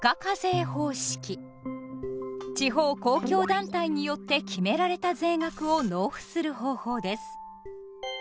地方公共団体によって決められた税額を納付する方法です。